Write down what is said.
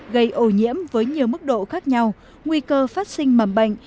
gây ô nhiễm với nhiều mức độ khác nhau nguy cơ phát sinh mầm bệnh